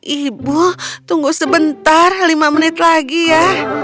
ibu tunggu sebentar lima menit lagi ya